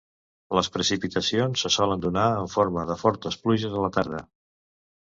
Les precipitacions se solen donar en forma de fortes pluges a la tarda.